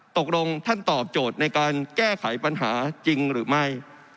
ตกลงท่านตอบโจทย์ในการแก้ไขปัญหาจริงหรือไม่